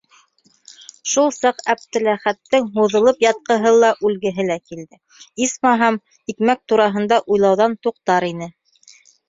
Шул саҡ Әптеләхәттең һуҙылып ятҡыһы ла үлгеһе килде: исмаһам, икмәк тураһында уйлауҙан туҡтар ине.